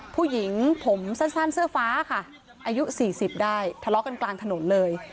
ผู้หญิงผมสั้นเสื้อฟ้าค่ะอายุ๔๐ได้ทะเลาะกันกลางถนนเลย